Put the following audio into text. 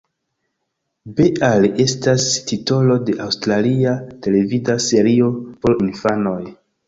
Bear estas titolo de aŭstralia televida serio por infanoj.